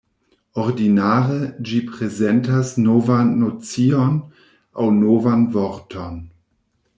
Ordinare ĝi prezentas novan nocion aŭ novan vorton.